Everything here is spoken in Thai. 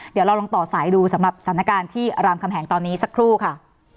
เดี๋ยวเราลองต่อสายดูสำหรับสถานการณ์ที่รามคำแหงตอนนี้สักครู่ค่ะ